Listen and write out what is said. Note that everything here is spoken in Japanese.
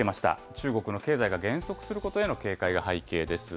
中国の経済が減速することへの警戒が背景です。